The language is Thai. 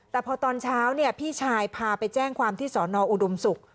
แต่พอตอนเช้าพี่ชายพาไปแจ้งความที่สอนออุดมศุกร์